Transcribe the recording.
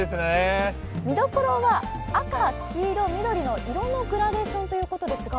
見どころは赤、黄色、緑の色のグラデーションということですが。